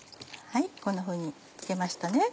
こんなふうに付けましたね。